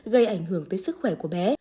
gây ảnh hưởng tới sức khỏe của bé